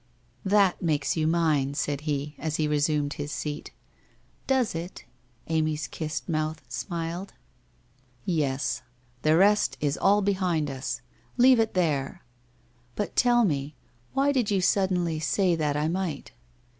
' That makes you mine,' said he, as he resumed his seat. ' Does it?' Amy's kissed mouth smiled. 256 WHITE ROSE OF WEARY LEAF 1 Yes. The rest is all behind us. Leave it there. But tell me, why did you suddenly say that I might